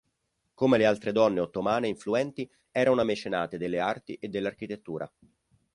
Come le altre donne ottomane influenti, era una mecenate delle arti e dell'architettura.